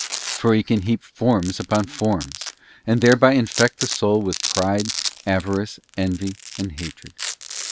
For he can heap forms upon forms, and thereby infect the soul with pride, avarice, envy, and hatred.